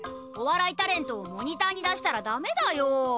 おわらいタレントをモニターに出したらダメだよ！